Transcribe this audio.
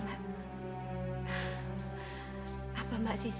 ada tokohnya ga